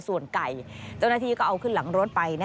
ส่วนไก่เจ้าหน้าที่ก็เอาขึ้นหลังรถไป